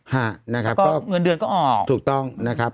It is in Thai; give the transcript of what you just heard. ฮะนะครับก็เงินเดือนก็ออกถูกต้องนะครับ